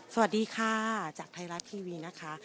สวัสดีค่ะจากไทยรัฐทีวีนะคะ